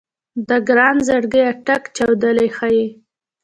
د ګران زړګيه ټک چاودلی ښه يې